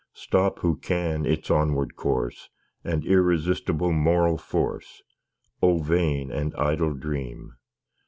Stop who can its onward course And irresistible moral force; O vain and idle dream!